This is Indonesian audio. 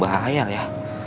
bukan berhayal ya